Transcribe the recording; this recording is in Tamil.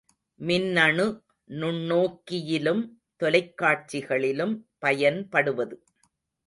மின்னணு நுண்ணோக்கியிலும் தொலைக்காட்சிகளிலும் பயன்படுவது.